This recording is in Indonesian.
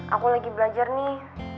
aku lagi belajar nih